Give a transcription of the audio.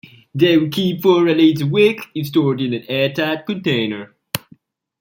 They will keep for at least a week if stored in an airtight container.